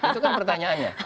itu kan pertanyaannya